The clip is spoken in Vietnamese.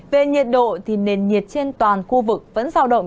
về nhiệt độ thì nền nhiệt trên toàn khu vực vẫn giao động